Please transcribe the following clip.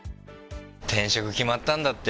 転職、決まったんだって？